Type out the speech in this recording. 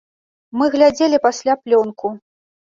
Мы глядзелі пасля плёнку.